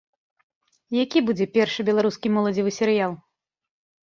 Які будзе першы беларускі моладзевы серыял?